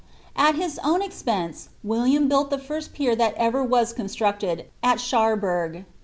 At his own expense William built the first pier that ever was con structed, at Cherbourg.